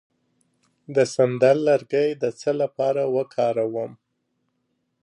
د سندل لرګی د څه لپاره وکاروم؟